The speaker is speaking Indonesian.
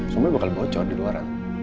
semuanya bakal bocor di luaran